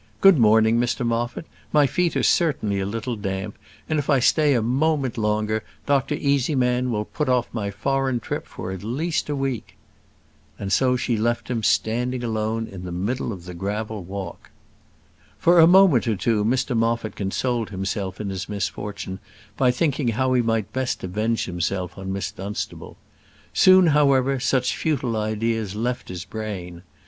Good morning, Mr Moffat; my feet are certainly a little damp, and if I stay a moment longer, Dr Easyman will put off my foreign trip for at least a week." And so she left him standing alone in the middle of the gravel walk. For a moment or two, Mr Moffat consoled himself in his misfortune by thinking how he might best avenge himself on Miss Dunstable. Soon, however, such futile ideas left his brain.